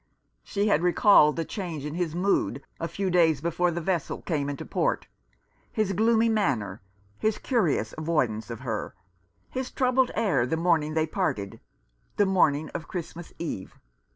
She had recalled the change in his mood a few days before the vessel came into port — his gloomy manner ; his curious avoidance of her ; his troubled air the morning they parted, the morning of Christmas Eve.